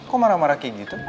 kok marah marah kayak gitu